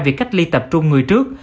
việc cách ly tập trung người trước